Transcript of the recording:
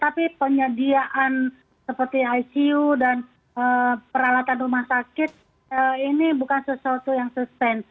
tapi penyediaan seperti icu dan peralatan rumah sakit ini bukan sesuatu yang sustain